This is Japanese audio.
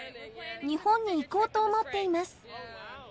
日本に行こうと思っています。